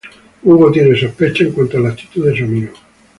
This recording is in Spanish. Hugo tiene sospechas en cuanto a la actitud de su amigo.